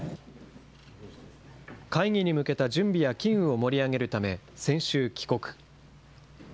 会議に向けた準備や機運を盛り上げるため、先週帰国。